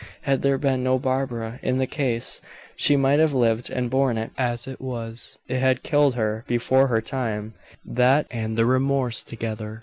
Had there been no Barbara in the case, she might have lived and borne it; as it was, it had killed her before her time, that and the remorse together.